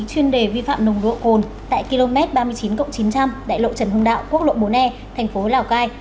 chuyên đề vi phạm nồng độ cồn tại km ba mươi chín chín trăm linh đại lộ trần hưng đạo quốc lộ bốn e thành phố lào cai